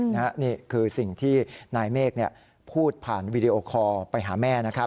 นี่คือสิ่งที่นายเมฆพูดผ่านวีดีโอคอลไปหาแม่นะครับ